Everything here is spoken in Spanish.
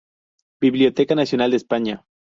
Biblioteca Nacional de España